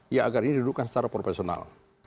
ya agar ini didudukkan secara profesional